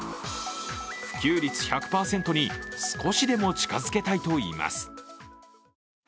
普及率１００％に少しでも近づけたいといいます。